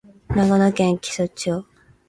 長野県木曽町